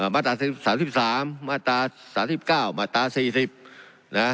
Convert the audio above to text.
มาตรา๓๓มาตรา๓๙มาตรา๔๐นะ